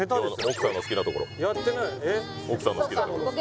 奥さんの好きなところえっ？